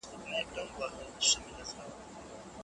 که صنعت پراخ سي عوايد زياتېږي.